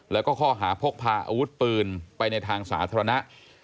แล้วก็ข้อหาพกพาอาวุธปืนไปในทางสาธารณะ